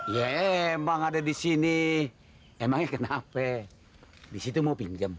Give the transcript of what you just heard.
iya emang ada di sini emangnya kenapa di situ mau pinjam